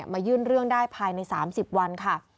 ยื่นเรื่องได้ภายใน๓๐วันค่ะ